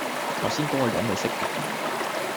頭先嗰個人你識㗎？